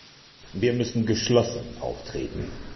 Wir müssen geschlossen auftreten.